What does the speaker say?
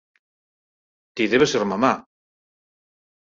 Ti debes ser mamá.